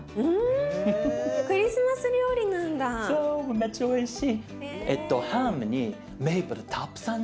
めっちゃおいしい。